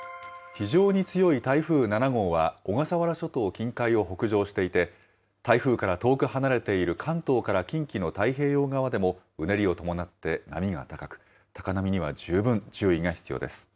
非常に強い台風７号は、小笠原諸島近海を北上していて、台風から遠く離れている関東から近畿の太平洋側でもうねりを伴って波が高く、高波には十分注意が必要です。